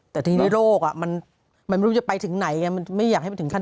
แต่ที่นี่โรคมันไม่รู้จะไปถึงไหนไม่อยากให้ไปถึงไหน